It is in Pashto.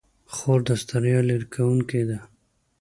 خور د ستړیا لیرې کوونکې ده.